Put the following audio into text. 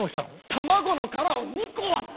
卵の殻を２個割った！